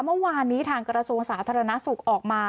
เมื่อวานนี้ทางกระทรวงสาธารณสุขออกมา